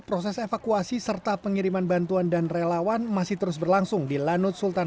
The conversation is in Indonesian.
proses evakuasi serta pengiriman bantuan dan relawan masih terus berlangsung di lanut sultan